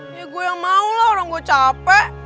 ya gua yang mau lah orang gua capek